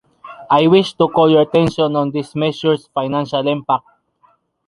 I wish to call your attention on this measure’s financial impact.